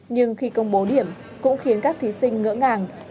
nhưng khi công bố điểm cũng khiến các thí sinh ngỡ ngàng